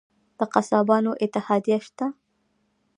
د قصابانو اتحادیه شته؟